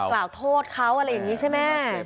กล่าวโทษเขาอะไรอย่างนี้ใช่ไหม